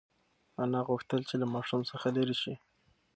انا غوښتل چې له ماشوم څخه لرې شي.